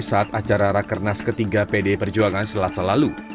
saat acara raker nas ketiga pd perjuangan selasa lalu